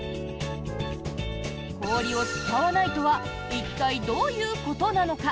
氷を使わないとは一体、どういうことなのか。